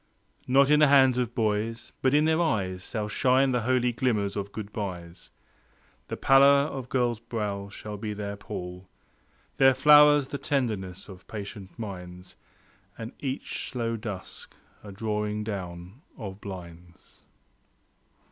Not in the hands of boys, but in their eyes Shall shine the holy glimmers of goodbyes. The pallor of girls' brows shall be their pall; Their flowers the tenderness of patient minds, And each slow dusk a drawing down of blinds.